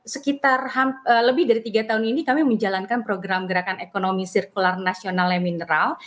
sekitar lebih dari tiga tahun ini kami menjalankan program gerakan ekonomi sirkular nasionalnya mineral